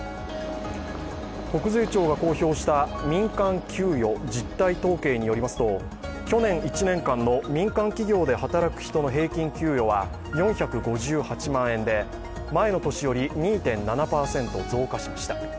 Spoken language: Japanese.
国税庁が公表した民間給与実態統計によりますと去年１年間の民間企業で働く人の平均給与は４５８万円で前の年より２．７％増加しました。